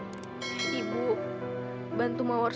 aku ingin bekerja